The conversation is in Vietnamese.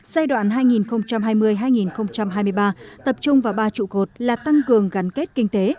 giai đoạn hai nghìn hai mươi hai nghìn hai mươi ba tập trung vào ba trụ cột là tăng cường gắn kết kinh tế